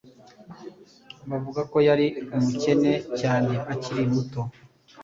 Bavuga ko yari umukene cyane akiri muto.